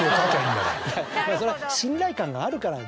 それは信頼感があるから。